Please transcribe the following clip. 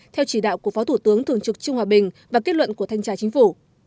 theo chỉ đạo của phó thủ tướng thường trực trung hòa bình và kết luận của thanh tra chính phủ